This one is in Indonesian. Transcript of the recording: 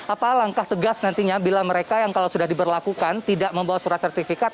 apa langkah tegas nantinya bila mereka yang kalau sudah diberlakukan tidak membawa surat sertifikat